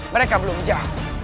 mereka belum jauh